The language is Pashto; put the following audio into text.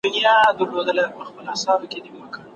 کتابتون څېړنه د میز څېړنې غوندې وي.